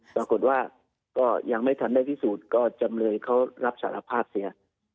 ปรากฏว่าก็ยังไม่ทันได้พิสูจน์ก็จำเลยเขารับสารภาพเสีย